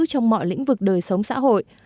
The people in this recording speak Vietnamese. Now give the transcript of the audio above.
trong mọi lĩnh vực đời sống xã hội